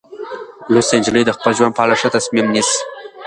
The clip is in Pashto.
لوستې نجونې د خپل ژوند په اړه ښه تصمیم نیسي.